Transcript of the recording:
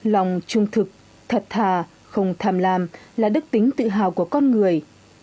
lòng trung thực thật thà không tham làm là đức tính tự hào của con người